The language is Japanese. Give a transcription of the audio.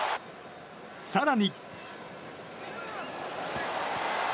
更に。